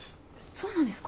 そうなんですか？